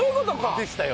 でしたよ。